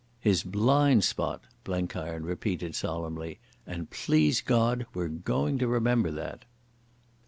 "His blind spot," Blenkiron repeated solemnly, "and, please God, we're going to remember that."